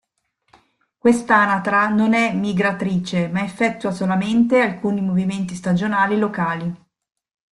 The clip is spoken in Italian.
Quest'anatra non è migratrice, ma effettua solamente alcuni movimenti stagionali locali.